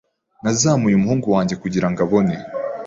Nazamuye umuhungu wanjye kugirango abone.